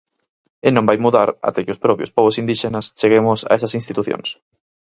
E non vai mudar até que os propios pobos indíxenas cheguemos a esas institucións.